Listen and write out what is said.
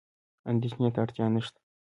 اندېښنې ته اړتیا نشته.